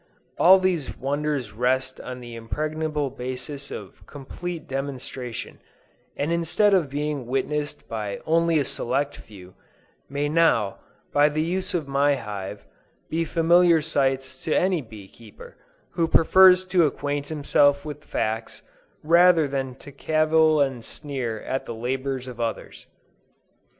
All these wonders rest on the impregnable basis of complete demonstration, and instead of being witnessed by only a select few, may now, by the use of my hive, be familiar sights to any bee keeper, who prefers to acquaint himself with facts, rather than to cavil and sneer at the labors of others.